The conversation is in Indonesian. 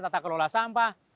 tata kelola sampah